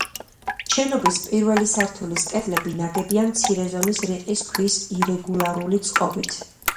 შენობის პირველი სართულის კედლები ნაგებია მცირე ზომის რიყის ქვის ირეგულარული წყობით.